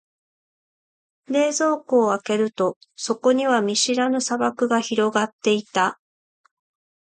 冷蔵庫を開けると、そこには見知らぬ砂漠が広がっていた。